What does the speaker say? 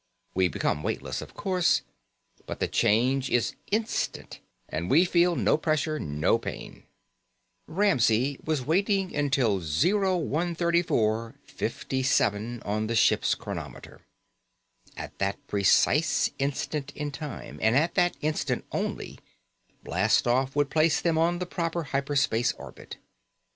We become weightless, of course, but the change is instant and we feel no pressure, no pain." Ramsey was waiting until 0134:57 on the ship chronometer. At that precise instant in time, and at that instant only, blastoff would place them on the proper hyper space orbit.